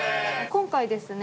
今回ですね